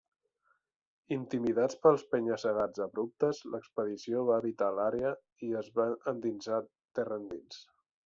Intimidats pels penya-segats abruptes, l'expedició va evitar l'àrea i es va endinsar terra endins.